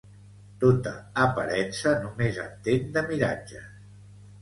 Tota aparença només entén de miratges.